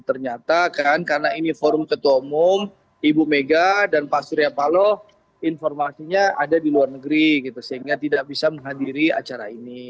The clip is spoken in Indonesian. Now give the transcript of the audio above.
ternyata kan karena ini forum ketua umum ibu mega dan pak surya paloh informasinya ada di luar negeri sehingga tidak bisa menghadiri acara ini